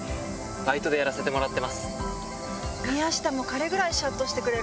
バイトでやらせてもらってます。